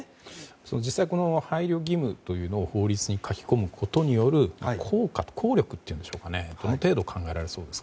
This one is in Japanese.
実際、配慮義務というのを法律に書き込むことによる効果・効力というのはどの程度考えられそうですか？